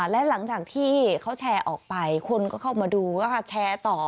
และหลังจากที่เขาแชร์ออกไปคนก็เข้ามาดูก็แชร์ต่อ